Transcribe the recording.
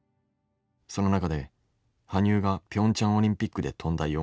その中で羽生がピョンチャンオリンピックで跳んだ